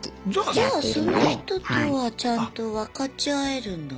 じゃあその人とはちゃんと分かち合えるんだね。